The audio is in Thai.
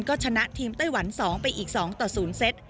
ก็ชนะทีมไต้หวัน๒ไปอีก๒ต่อ๐เซต